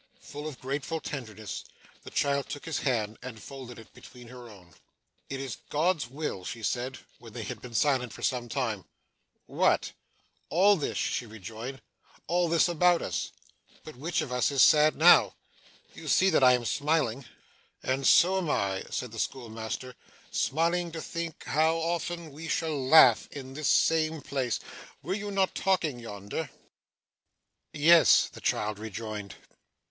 Full of grateful tenderness, the child took his hand, and folded it between her own. 'It's God's will!' she said, when they had been silent for some time. 'What?' 'All this,' she rejoined; 'all this about us. But which of us is sad now? You see that I am smiling.' 'And so am I,' said the schoolmaster; 'smiling to think how often we shall laugh in this same place. Were you not talking yonder?' 'Yes,' the child rejoined.